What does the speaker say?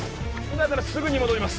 今からすぐに戻ります